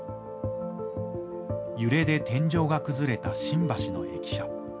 揺れで天井が崩れた新橋の駅舎。